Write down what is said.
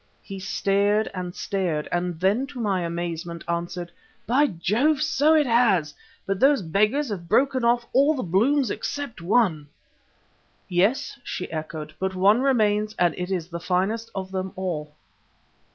He stared and stared, and then to my amazement answered: "By Jove, so it has! But those beggars have broken off all the blooms except one." "Yes," she echoed, "but one remains and it is the finest of them all."